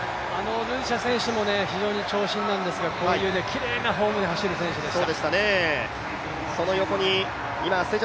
ルディシャ選手も非常に長身なんですが、こういうきれいなフォームで走る選手でした。